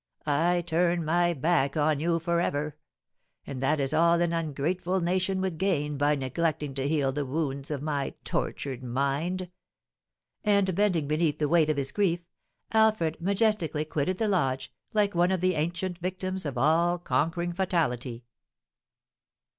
I turn my back on you for ever! And that is all an ungrateful nation would gain by neglecting to heal the wounds of my tortured mind;" and, bending beneath the weight of his grief, Alfred majestically quitted the lodge, like one of the ancient victims of all conquering Fatality.